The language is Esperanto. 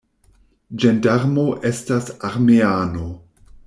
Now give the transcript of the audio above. Ĝendarmo estas armeano.